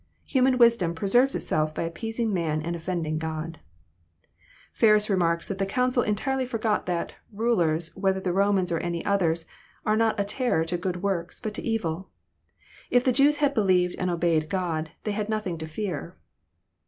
Human wisdom preserves itself by appeasing man and ofiiending God !" Ferus remarks that the council entirely forgot that " rulers, whether the Romans or any others, are not a terror to good works, but to evil. If the Jews had believed and obeyed God, they had nothing to fear."